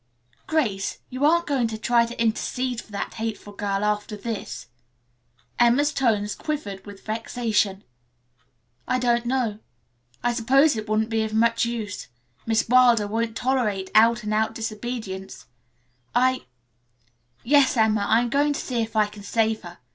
"Grace, you aren't going to try to intercede for that hateful girl after this," Emma's tones quivered with vexation. "I don't know. I suppose it wouldn't be of much use. Miss Wilder won't tolerate out and out disobedience. I yes, Emma, I'm going to see if I can save her.